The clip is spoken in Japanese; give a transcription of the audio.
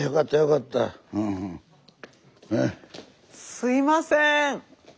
すみません。